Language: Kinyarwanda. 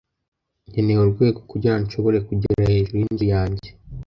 Nkeneye urwego kugirango nshobore kugera hejuru yinzu yanjye.